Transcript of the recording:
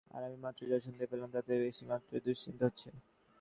আর আমি মাত্রই যা শুনতে পেলাম, তাতে একটু বেশি মাত্রায়ই দুশ্চিন্তা হচ্ছে।